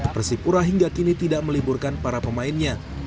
persipura hingga kini tidak meliburkan para pemainnya